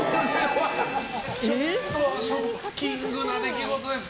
ちょっとショッキングな出来事です。